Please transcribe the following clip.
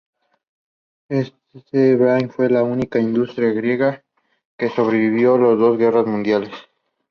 The neighborhood is bounded on the west and north by the Spokane River.